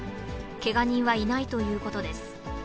けが人はいないということです。